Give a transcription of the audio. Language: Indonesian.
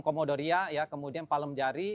komodoria ya kemudian palem jari